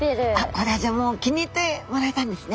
これはじゃあもう気に入ってもらえたんですね。